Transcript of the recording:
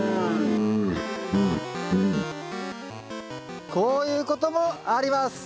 こういうこともあります。